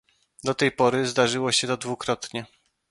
Do tej pory zdarzyło się to dwukrotnie